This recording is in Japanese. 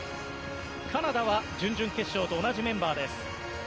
カナダは準々決勝と同じメンバーです。